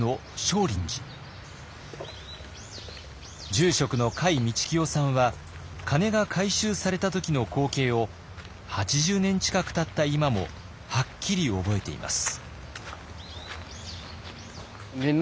住職の甲斐道清さんは鐘が回収された時の光景を８０年近くたった今もはっきり覚えています。